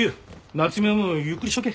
夏海はもうゆっくりしとけ。